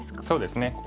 そうですね。